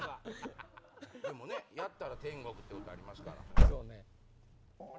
でもねやったら天国ってことありますから。